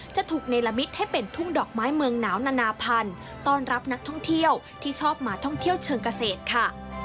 จะถูกในละมิตให้เป็นทุ่งดอกไม้เมืองหนาวนานาพันธุ์ต้อนรับนักท่องเที่ยวที่ชอบมาท่องเที่ยวเชิงเกษตรค่ะ